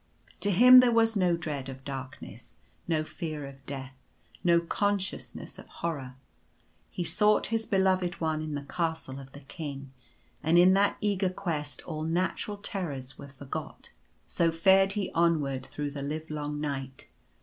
To him there was no dread of darkness — no fear of death — no consciousness of horror. He sought his Beloved One in the Castle of the King ; and in that eager quest all natural terrors were forgot. So fared he onward through the livelong night.